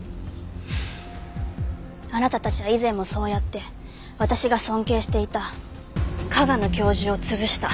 あなたたちは以前もそうやって私が尊敬していた加賀野教授を潰した。